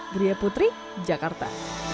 gria putri jakarta